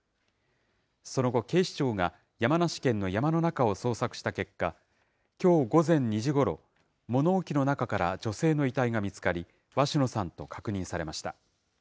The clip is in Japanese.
その後、警視庁が山梨県の山の中を捜索した結果、きょう午前２時ごろ、物置の中から女性の遺体が見つかり、鷲野さんと確認されました。